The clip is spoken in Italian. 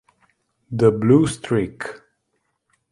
The Blue Streak